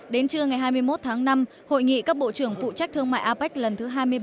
đến trưa ngày hai mươi một tháng năm hội nghị các bộ trưởng phụ trách thương mại apec lần thứ hai mươi ba